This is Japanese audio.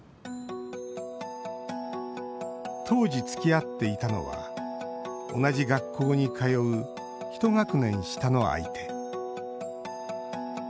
当時、つきあっていたのは同じ学校に通う１学年下の相手。